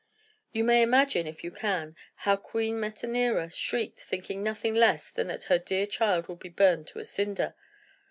You may imagine, if you can, how Queen Metanira shrieked, thinking nothing less than that her dear child would be burned to a cinder.